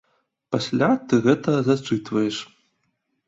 Пасля ты гэта зачытваеш.